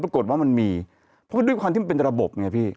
ปรากฏว่ามันมีเพราะว่าด้วยความที่มันเป็นระบบไงพี่